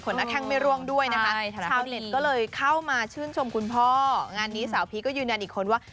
หน้าแข้งไม่ร่วงด้วยนะคะชาวเน็ตก็เลยเข้ามาชื่นชมคุณพ่องานนี้สาวพีชก็ยืนยันอีกคนว่า